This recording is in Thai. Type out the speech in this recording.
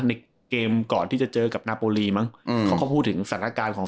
ในเกมก่อนที่จะเจอกับนาโปรลีมั้งอืมเขาก็พูดถึงสถานการณ์ของ